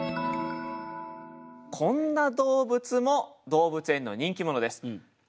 こんな動物も動物園の人気者です。